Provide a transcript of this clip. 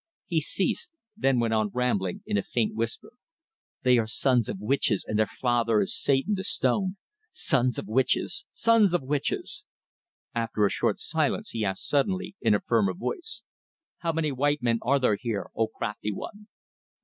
He ceased, then went on rambling in a faint whisper. "They are the sons of witches, and their father is Satan the stoned. Sons of witches. Sons of witches." After a short silence he asked suddenly, in a firmer voice "How many white men are there here, O crafty one?"